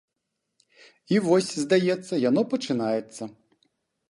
І вось, здаецца, яно пачынаецца.